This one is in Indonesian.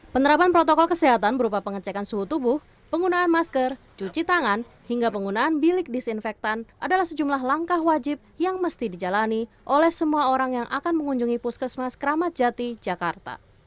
penerapan protokol kesehatan berupa pengecekan suhu tubuh penggunaan masker cuci tangan hingga penggunaan bilik disinfektan adalah sejumlah langkah wajib yang mesti dijalani oleh semua orang yang akan mengunjungi puskesmas keramat jati jakarta